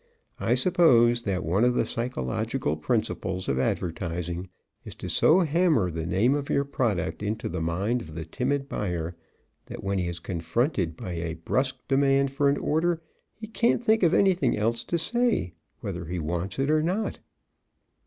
I suppose that one of the psychological principles of advertising is to so hammer the name of your product into the mind of the timid buyer that when he is confronted by a brusk demand for an order be can't think of anything else to say, whether he wants it or not.